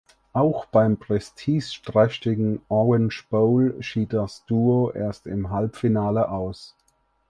Auch beim prestigeträchtigen Orange Bowl schied das Duo erst im Halbfinale aus.